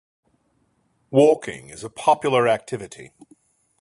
Walking is a popular activity.